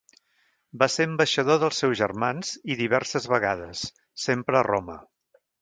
Va ser ambaixador dels seus germans i diverses vegades, sempre a Roma.